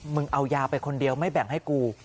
เอายาไปคนเดียวไม่แบ่งให้กู